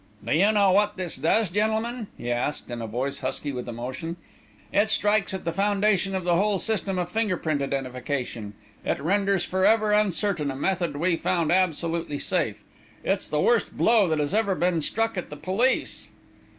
"Do you know what this does, gentlemen?" he asked, in a voice husky with emotion. "It strikes at the foundation of the whole system of finger print identification! It renders forever uncertain a method we thought absolutely safe! It's the worst blow that has ever been struck at the police!"